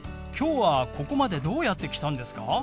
今日はここまでどうやって来たんですか？